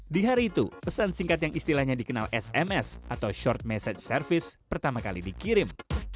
di hari itu pesan singkat yang istilahnya dikenal sms atau short message service pertama kali dikirim